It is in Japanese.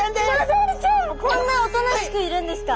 こんなおとなしくいるんですか？